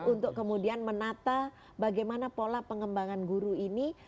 untuk kemudian menata bagaimana pola pengembangan guru ini